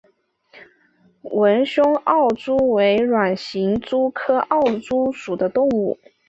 纹胸奥蛛为卵形蛛科奥蛛属的动物。